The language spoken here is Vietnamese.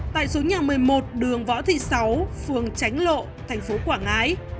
tại số nhà một mươi một đường võ thị sáu phường tránh lộ thành phố quảng ngãi